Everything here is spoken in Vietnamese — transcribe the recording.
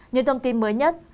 những thông tin mới nhất